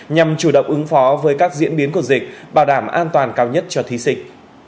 nhằm chủ động ứng phó với các diễn biến của dịch bảo đảm an toàn cao nhất cho thí sinh